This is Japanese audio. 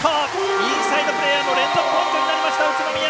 インサイドプレーヤーの連続ポイントになりました宇都宮！